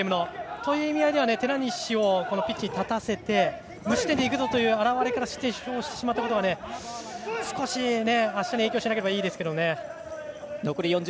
そういう意味では寺西をピッチに立たせて無失点でいくぞという表れから失点してしまったことがあしたに影響しなければいいですが。